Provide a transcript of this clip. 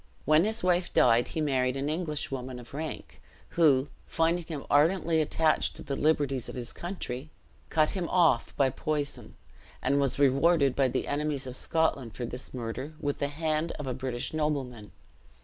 When his wife died he married an Englishwoman of rank, who, finding him ardently attached to the liberties of his country, cut him off by poison, and was rewarded by the enemies of Scotland for this murder with the hand of a British nobleman.